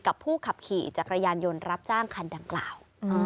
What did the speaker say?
กับผู้ขับขี่จักรยานยนต์รับจ้างคันดังกล่าว